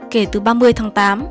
kể từ ba mươi tháng tám